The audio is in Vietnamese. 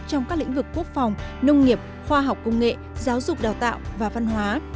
trong các lĩnh vực quốc phòng nông nghiệp khoa học công nghệ giáo dục đào tạo và văn hóa